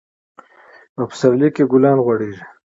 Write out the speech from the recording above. په پسرلي کي ګلان غوړيږي.